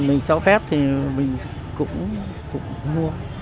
thì mình cho phép thì mình cũng mua